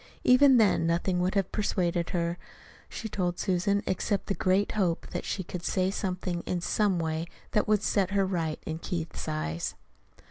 Even then nothing would have persuaded her, she told Susan, except the great hope that she could say something, in some way, that would set her right in Keith's eyes.